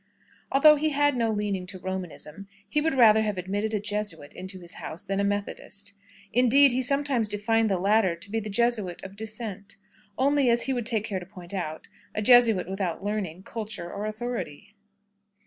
Although he had no leaning to Romanism, he would rather have admitted a Jesuit into his house than a Methodist. Indeed, he sometimes defined the latter to be the Jesuit of dissent only, as he would take care to point out, a Jesuit without learning, culture, or authority.